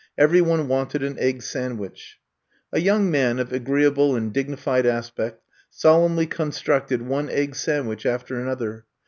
Every one wanted an egg sandwich. A young man of agreeable and digni fied aspect solemnly constructed one egg sandwich after another.